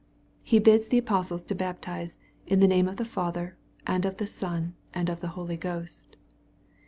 He bids the apostles to baptize " in the name of the Father, and of the Son, and of the Holy Ghost."